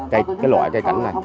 cái loại cây cảnh này